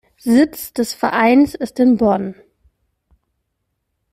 Sitz des Vereins ist in Bonn.